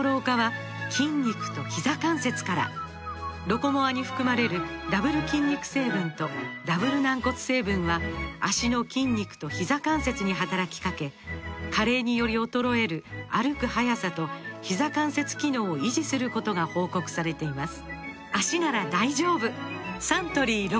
「ロコモア」に含まれるダブル筋肉成分とダブル軟骨成分は脚の筋肉とひざ関節に働きかけ加齢により衰える歩く速さとひざ関節機能を維持することが報告されています